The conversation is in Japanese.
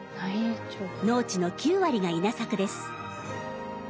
農地の９割が稲作です。